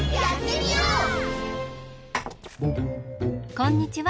こんにちは。